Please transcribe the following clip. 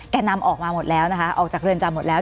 นำออกมาหมดแล้วนะคะออกจากเรือนจำหมดแล้ว